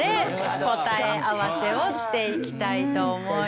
答え合わせをしていきたいと思います。